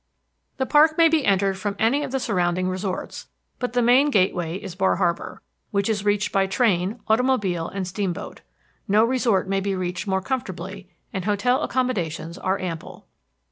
The park may be entered from any of the surrounding resorts, but the main gateway is Bar Harbor, which is reached by train, automobile, and steamboat. No resort may be reached more comfortably, and hotel accommodations are ample.